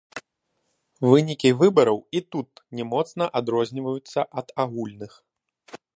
Вынікі выбараў і тут не моцна адрозніваюцца ад агульных.